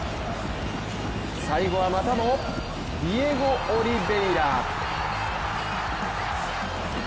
最後はまたもディエゴ・オリヴェイラ。